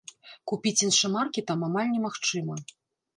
Купіць іншамаркі там амаль немагчыма.